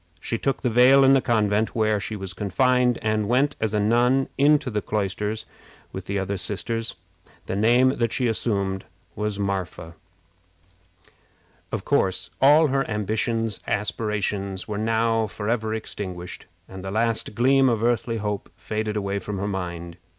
She took the veil in the convent where she was confined, and went as a nun into the cloisters with the other sisters. The name that she assumed was Marpha. Of course, all her ambitious aspirations were now forever extinguished, and the last gleam of earthly hope faded away from her mind.